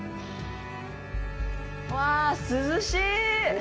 うわぁ、涼しい！